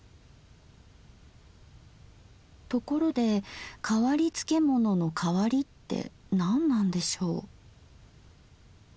ところで変わり漬物の「変わり」って何なんでしょう？